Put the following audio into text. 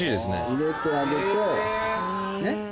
入れてあげてねっ。